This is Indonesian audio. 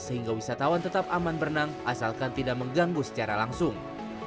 sehingga wisatawan tetap aman berenang asalkan tidak mengganggu secara langsung